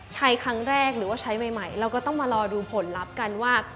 ใช้ครั้งแรกหรือว่าใช้ใหม่เราก็ต้องมารอดูผลลัพธ์กันว่า